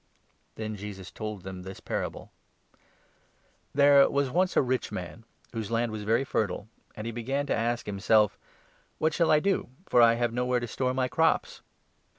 Then Jesus told them this parable —" There was once a rich man whose land was very fertile ; and he began to ask himself ' What shall I do, for I have nowhere to store my crops